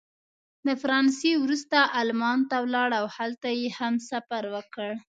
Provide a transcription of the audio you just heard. د فرانسې وروسته المان ته ولاړ او هلته یې هم سفر وکړ.